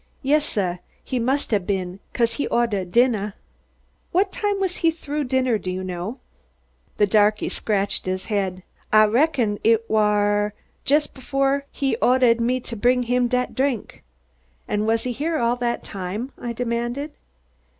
"Yes, suh! He must hab been, 'cause he ohdahd dinnah." "What time was he through dinner, do you know?" The darky scratched his head. "Ah reckon it war just befoh he ohdahd me ter bring him dat drink." "And he was here all that time?" I demanded.